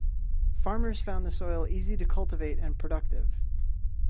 Farmers found the soil easy to cultivate and productive.